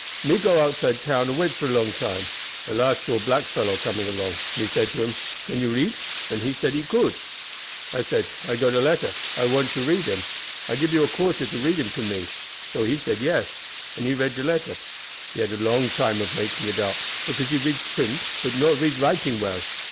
Me go outside town and wait for long time. At last saw black fellow coming along. Me say to him, 'Can you read?' and he said as he could. I said 'I got a letter, I want to read him, I gib you a quarter to read him to me;' so he said yes, and he read de letter. He a long time of making it out, because he read print but not read writing well.